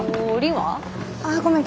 あごめん